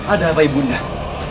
ada apa ibu undang